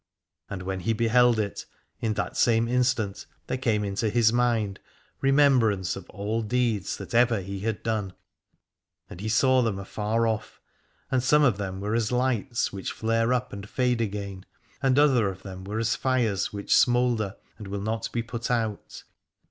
And when he beheld it, in that same instant there came into his mind remembrance of all deeds that ever he had done, and he saw them afar off, and some of them were as lights which flare up and fade again, and other of them were as fires which smoulder and will not be put out.